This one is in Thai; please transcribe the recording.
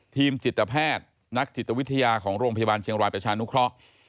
ทีมจิตแพทย์นักจิตวิทยาของโรงพยาบาลเชียงรายประชานุเคราะห์